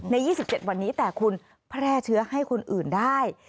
๒๗วันนี้แต่คุณแพร่เชื้อให้คนอื่นได้